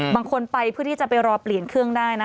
บางคนไปเพื่อที่จะไปรอเปลี่ยนเครื่องได้นะ